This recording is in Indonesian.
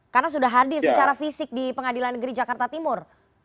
karena sudah hadir secara fisik di pengadilan negeri jakarta timur